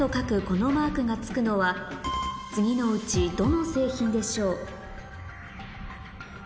このマークが付くのは次のうちどの製品でしょう？